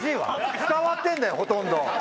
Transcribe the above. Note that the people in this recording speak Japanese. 伝わってんだよほとんど！